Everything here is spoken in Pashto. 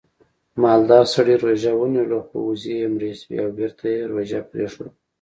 مالدار سړي روژه ونیوله خو وزې یې مړې شوې او بېرته یې روژه پرېښوده